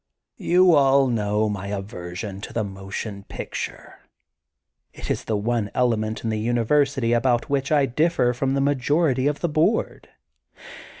You all know my aversion to the motion picture. It is one element in the university about which I differ from the majority of the board.